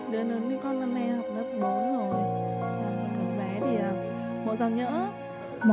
đứa lớn như con năm nay là lớp bốn rồi